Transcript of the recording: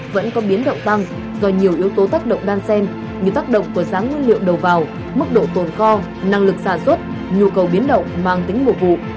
vẫn có biến động tăng do nhiều yếu tố tác động đan sen như tác động của giá nguyên liệu đầu vào mức độ tồn kho năng lực sản xuất nhu cầu biến động mang tính mùa vụ